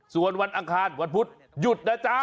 ส่วนวันอังคารวันพุธหยุดนะจ๊ะ